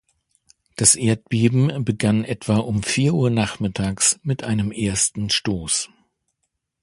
Das Erdbeben begann etwa um vier Uhr nachmittags mit einem ersten Stoss.